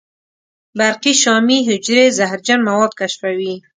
برقي شامي حجرې زهرجن مواد کشفوي.